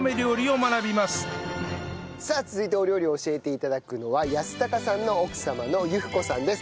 さあ続いてお料理を教えて頂くのは恭隆さんの奥様の由布子さんです。